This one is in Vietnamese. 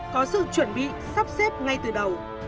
có sự chuẩn bị sắp xếp ngay từ đầu